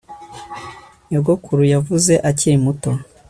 Nyogokuru yavuze akiri muto